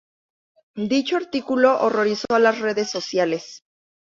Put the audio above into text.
Dicho artículo horrorizó a las redes sociales.